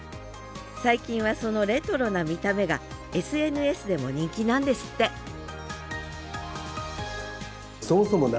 最近はそのレトロな見た目がＳＮＳでも人気なんですってへえ。